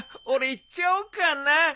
俺行っちゃおうかな。